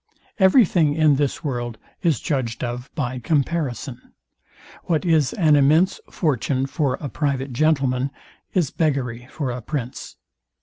Every thing in this world is judged of by comparison. What is an immense fortune for a private gentleman is beggary for a prince.